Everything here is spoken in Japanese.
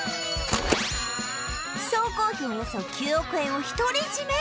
総工費およそ９億円を独り占め！？